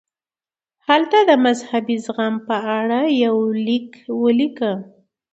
هلته یې د مذهبي زغم په اړه یو لیک ولیکه.